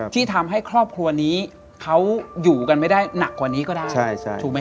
ที่ทำให้ครอบครัวนี้เขาอยู่กันไม่ได้หนักกว่านี้ก็ได้ถูกไหม